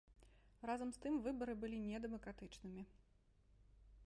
Разам з тым, выбары былі недэмакратычнымі.